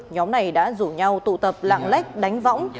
nhóm này đã rủ nhau tụ tập lạng lách đánh võng